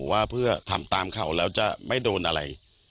ว่าเพื่อทำตามเขาแล้วจะไม่โดนอะไร